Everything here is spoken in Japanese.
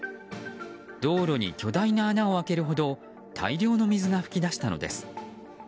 道路に巨大な穴を開けるほど大量の水が噴き出したのです。